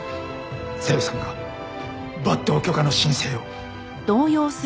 小夜さんが抜刀許可の申請を。